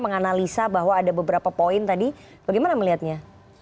menganalisa bahwa ada beberapa poin tadi bagaimana melihatnya